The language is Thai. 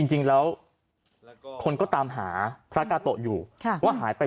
คงกำลังไป